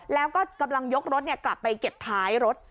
แล้วก็กำลังยกรถกลับไปเก็บท้ายรถ